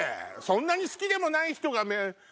そんなに好きでもない人がね。